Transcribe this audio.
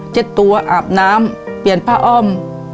ตัวอาบน้ำเปลี่ยนผ้าอ้อม